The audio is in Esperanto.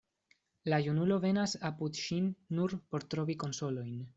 La junulo venas apud ŝin nur por trovi konsolojn.